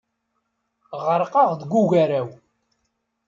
Ɣerqeɣ deg ugaraw.